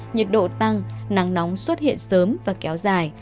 nhiệt độ tăng nắng nóng xuất hiện sớm và kéo dài